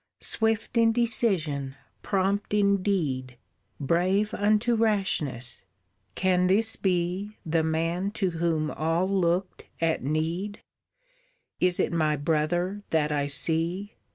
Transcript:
Swift in decision, prompt in deed, Brave unto rashness, can this be, The man to whom all looked at need? Is it my brother, that I see!